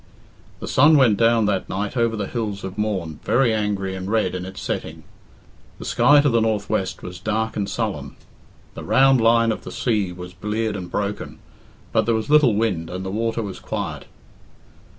The sun went down that night over the hills of Mourne very angry and red in its setting; the sky to the north west was dark and sullen; the round line of the sea was bleared and broken, but there was little wind, and the water was quiet.